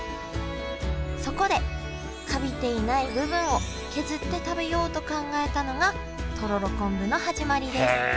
そこでカビていない部分を削って食べようと考えたのがとろろ昆布の始まりです